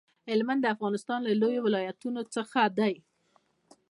هلمند د افغانستان د لویو ولایتونو څخه دی